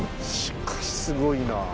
しかしすごいな。